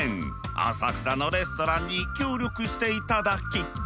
浅草のレストランに協力して頂き